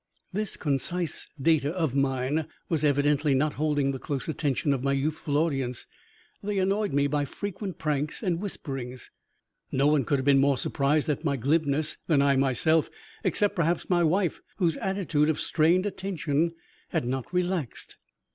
This concise data of mine was evidently not holding the close attention of my youthful audience. They annoyed me by frequent pranks and whisperings. No one could have been more surprised at my glibness than I myself, except perhaps my wife, whose attitude of strained attention had not relaxed.